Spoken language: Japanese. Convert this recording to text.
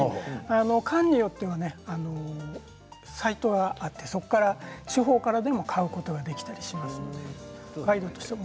館によってはサイトがあって地方からでも買うことができます。